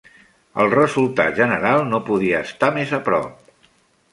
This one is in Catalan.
El resultat general no podia estar més a prop.